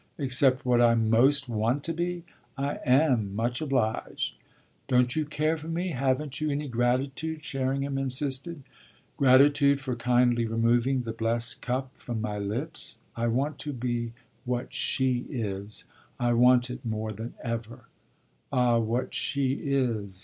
"Except what I most want to be? I am much obliged." "Don't you care for me? Haven't you any gratitude?" Sherringham insisted. "Gratitude for kindly removing the blest cup from my lips? I want to be what she is I want it more than ever." "Ah what she is